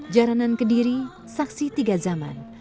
jaranan kediri saksi tiga zaman